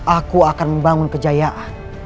aku akan membangun kejayaan